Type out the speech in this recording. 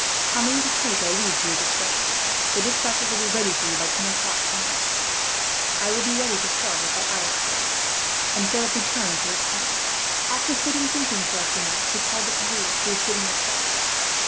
How many to take, I leave to your discretion. The despatches will be ready for you, by ten o'clock tonight." "I shall be ready to start at that hour, sir," and Philip returned to his tent. After sitting thinking for a few minutes he called to Pierre, who was sitting outside.